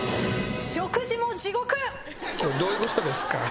どういうことですか？